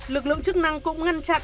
lực lượng chức năng cũng ngăn chặn